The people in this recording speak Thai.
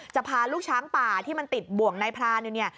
พาลูกช้างป่าที่มันติดบ่วงนายพรานอยู่เนี่ย